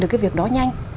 được cái việc đó nhanh